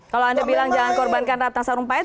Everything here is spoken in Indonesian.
kalau anda bilang jangan korbankan ratna sarumpait